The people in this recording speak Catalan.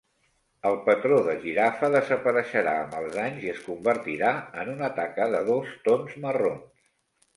El patró de girafa desapareixerà amb els anys i es convertirà en una taca de dos tons marrons.